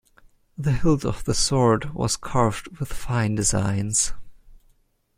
The hilt of the sword was carved with fine designs.